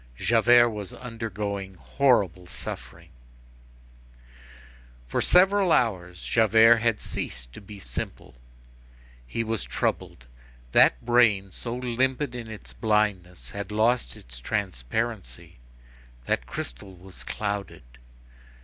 Javert was undergoing horrible suffering. For several hours, Javert had ceased to be simple. He was troubled; that brain, so limpid in its blindness, had lost its transparency; that crystal was clouded.